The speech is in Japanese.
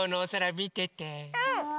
うん！